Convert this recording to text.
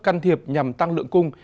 cân thiệp nhằm tăng lượng cung